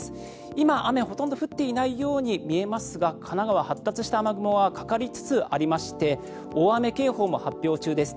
今、雨、ほとんど降ってないように見えますが神奈川、発達した雨雲はかかりつつありまして大雨警報も発表中です。